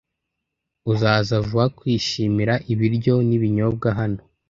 Uzaza vuba kwishimira ibiryo n'ibinyobwa hano.